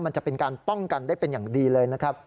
จะเป็นการป้องกันได้เป็นอย่างดีเลยนะครับ